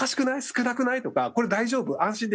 「少なくない？」とか「これ大丈夫？」「安心できるの？」